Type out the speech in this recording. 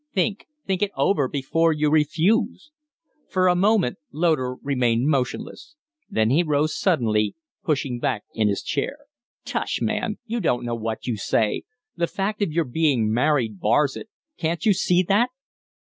"Think think it over before you refuse." For a moment Loder remained motionless; then h rose suddenly, pushing back his chair. "Tush, man! You don't know what you say. The fact of your being married bars it. Can't you see that?"